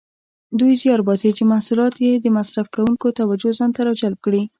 دوی زیار باسي چې محصولات یې د مصرف کوونکو توجه ځانته راجلب کړي.